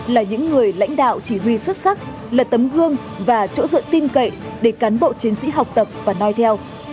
là những người lãnh đạo chỉ huy xuất sắc là tấm gương và chỗ dựa tin cậy để cán bộ chiến sĩ học tập và nói theo